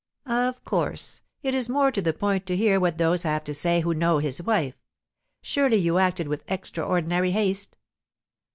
"Of course. It is more to the point to hear what those have to say who know his wife, Surely you acted with extraordinary haste."